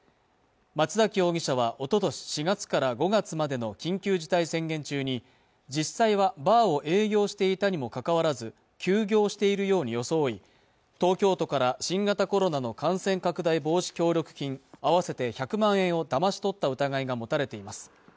松崎容疑者はおととし４月から５月までの緊急事態宣言中に実際はバーを営業していたにもかかわらず休業しているように装い東京都から新型コロナの感染拡大防止協力金合わせて１００万円をだまし取った疑いが持たれています